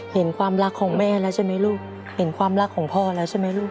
เห็นความรักของแม่แล้วใช่ไหมลูกเห็นความรักของพ่อแล้วใช่ไหมลูก